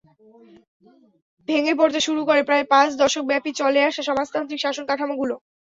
ভেঙে পড়তে শুরু করে প্রায় পাঁচ দশকব্যাপী চলে আসা সমাজতান্ত্রিক শাসন কাঠামোগুলো।